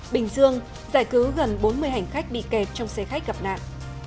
bình dương giải cứu gần bốn mươi hành khách bị kẹt trong xe khách gặp nạn